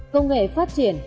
công nghệ phát triển